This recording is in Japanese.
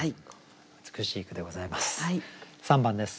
美しい句でございます。